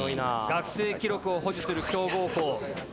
学生記録を保持する強豪校。